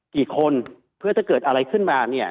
กี่คนเพื่อถ้าเกิดอะไรขึ้นมาเนี่ย